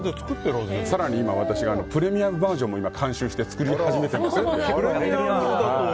更に私はプレミアムバージョンも今、監修して作り始めてます。